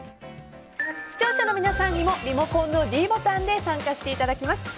視聴者の皆さんにもリモコンのｄボタンで参加していただきます。